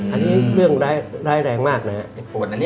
อันนี้เรื่องร้ายแรงมากนะฮะ